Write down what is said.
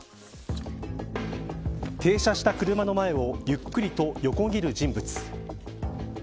停車した車の前をゆっくりと横切る人物。